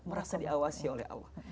merasa diawasi oleh allah